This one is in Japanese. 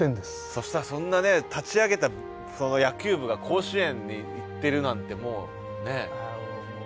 そしたらそんなね立ち上げたその野球部が甲子園に行ってるなんてもうねえ。